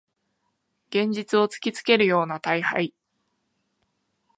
現実を突きつけるような大敗